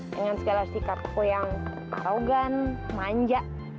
dengan segala sikapku yang arogan manja